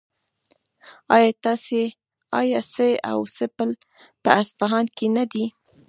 آیا سي او سه پل په اصفهان کې نه دی؟